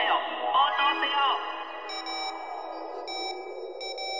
おうとうせよ！